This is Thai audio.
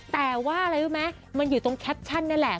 แต่ว่าอะไรรู้ไหมมันอยู่ตรงแคปชั่นนั่นแหละ